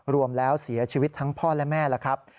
รวมแล้วเสียชีวิตทั้งพ่อและแม่แล้วครับ